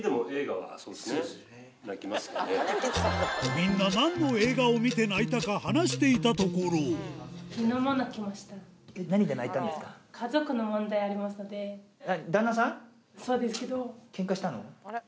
みんな何の映画を見て泣いたか話していたところいえ。